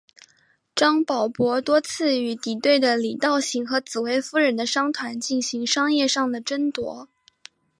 张保皋多次与敌对的李道行和紫薇夫人的商团进行商业上的争夺。